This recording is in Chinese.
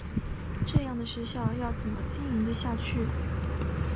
这样的学校要怎么经营下去？